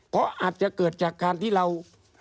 เพราะอาจจะเกิดจากการที่เรา